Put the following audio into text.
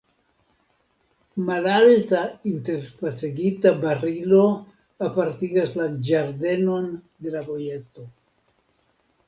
Malalta interspacigita barilo apartigas la ĝardenon de la vojeto.